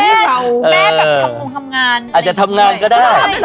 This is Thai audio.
อาจจะทำงานก็ได้